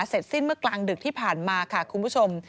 เสร็จสิ้นเมื่อกลางดึกที่ผ่านมาค่ะคุณผู้ชม